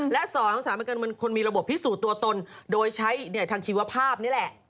และ๒๓เป็นคนมีระบบพิสูจน์ตัวตนโดยใช้ทางชีวภาพนี่แหละ